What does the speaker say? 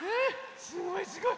すごいすごい。